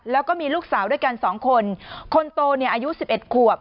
แล้วก็มีลูกสาวด้วยกันสองคนคนโตเนี่ยอายุ๑๑ขวบ